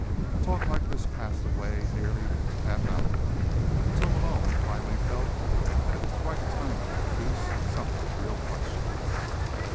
Talk like this passed away nearly a half hour, until Malone finally felt that it was the right time to introduce some of his real questions.